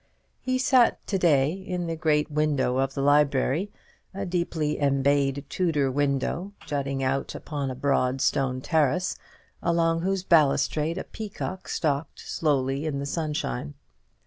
He sat to day in the great window of the library a deeply embayed Tudor window, jutting out upon a broad stone terrace, along whose balustrade a peacock stalked slowly in the sunshine.